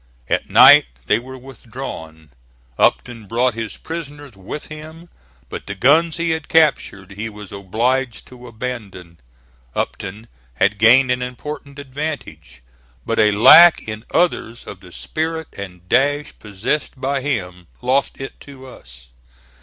At night they were withdrawn. Upton brought his prisoners with him, but the guns he had captured he was obliged to abandon. Upton had gained an important advantage, but a lack in others of the spirit and dash possessed by him lost it to us.